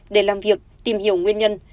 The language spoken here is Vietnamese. để làm việc tìm hiểu nguyên nhân